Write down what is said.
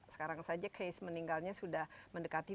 sekarang saja case meninggalnya sudah mendekati dua puluh lima ribu